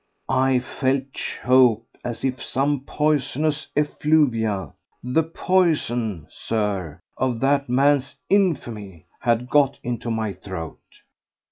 I felt choked, as if some poisonous effluvia—the poison, Sir, of that man's infamy—had got into my throat.